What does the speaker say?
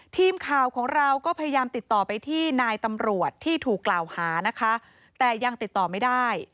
ทีมข่าวของเราก็พยายามติดต่อไปที่นายตำรวจที่ถูกกล่าวหานะคะแต่ยังติดต่อไม่ได้